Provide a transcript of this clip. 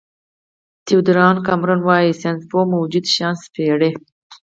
تیودور وان کارمن وايي ساینسپوه موجود شیان سپړي.